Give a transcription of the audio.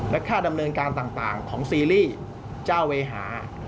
และค่าดำเนินการต่างของซีรีส์เจ้าเวหา